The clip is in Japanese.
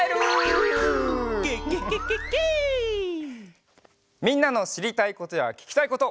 みんなのしりたいことやききたいことまってるね！